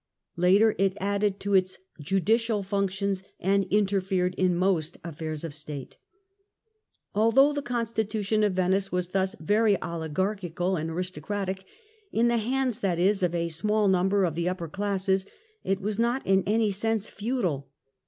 Later it added to its judicial functions and interfered in most affairs of State. Although the constitution of Venice was thus very oligarchical and aristocratic, in the hands, that is, of a small number of the upper classes, it was not in any sense feudal.